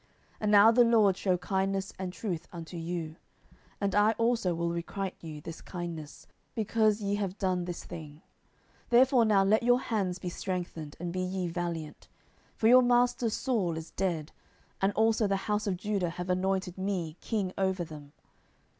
10:002:006 And now the LORD shew kindness and truth unto you: and I also will requite you this kindness, because ye have done this thing. 10:002:007 Therefore now let your hands be strengthened, and be ye valiant: for your master Saul is dead, and also the house of Judah have anointed me king over them.